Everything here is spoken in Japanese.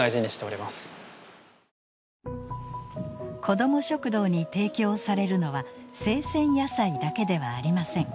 子ども食堂に提供されるのは生鮮野菜だけではありません。